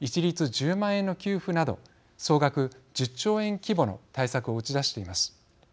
１０万円の給付など総額１０兆円規模の対策を打ち出しています。